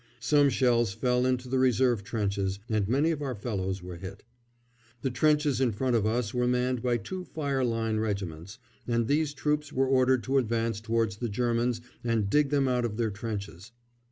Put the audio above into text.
Some shells fell into the reserve trenches, and many of our fellows were hit. The trenches in front of us were manned by two fine Line regiments, and these troops were ordered to advance towards the Germans and dig them out of their trenches.